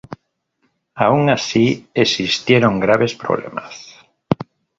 Aun así existieron graves problemas.